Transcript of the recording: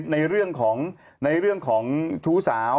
นี่คือในเรื่องของชูสาว